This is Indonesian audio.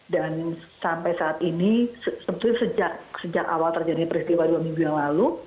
dan sampai saat ini sebetulnya sejak awal terjadi peristiwa dua minggu yang lalu